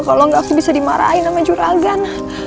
kalau nggak aku bisa dimarahin sama juragan